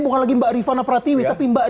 bukan lagi mbak rifana pratiwi tapi mbak